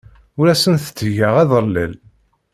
Ur asent-ttgeɣ adellel.